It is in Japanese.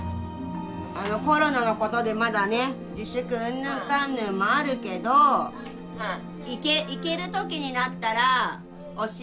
コロナのことでまだね自粛うんぬんかんぬんもあるけど行ける時になったら教えて。